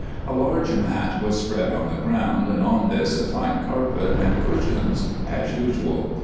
A large mat was spread on the ground, and on this a fine carpet, and cushions, as usual.